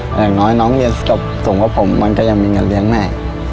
แต่แหละน้องเรียนสูงครับผมก็ยังมีเหงียห์เลี้ยงแม่